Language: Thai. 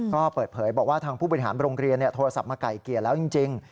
ก็เปิดเผยบอกว่าทางผู้บริหารโรงเรียนโทรศัพท์มาไก่เกลี่ยแล้วจริง